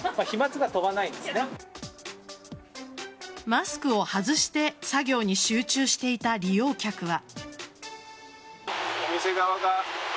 マスクを外して作業に集中していた利用客は。